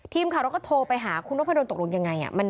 ทีมข่าวก็โทรไปหาคุณนบพันธ์ตกลงยังไงอะ